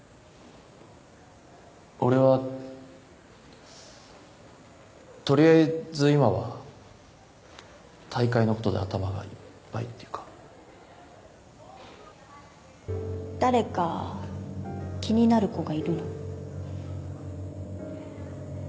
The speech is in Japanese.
俺はとりあえず今は大会のことで頭がい誰か気になる子がいるの？